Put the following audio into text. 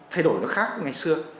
thay đổi nó khác ngày xưa